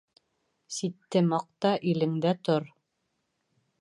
Ситте маҡта, илеңдә тор.